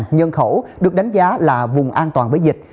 hai trăm linh năm nhân khẩu được đánh giá là vùng an toàn với dịch